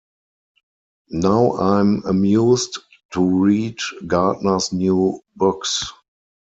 Now I'm amused to read Gardner's new books.